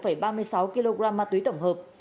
yến đã mua một ba mươi sáu kg ma túy tổng hợp